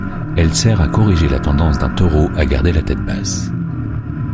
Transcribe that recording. Elle sert à corriger la tendance d'un taureau à garder la tête basse.